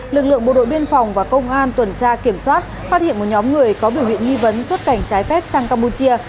lực lượng bộ đội biên phòng và công an tuần tra kiểm soát phát hiện một nhóm người có biểu hiện nghi vấn xuất cảnh trái phép sang campuchia